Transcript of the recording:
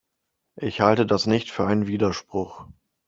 Ich halte das nicht für einen Widerspruch.